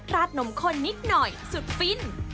ดนมข้นนิดหน่อยสุดฟิน